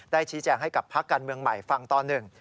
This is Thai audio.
ชี้แจงให้กับพักการเมืองใหม่ฟังตอนหนึ่ง